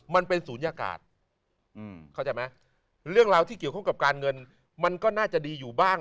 มันเป็นศูนยากาศเข้าใจไหมเรื่องราวที่เกี่ยวข้องกับการเงินมันก็น่าจะดีอยู่บ้าง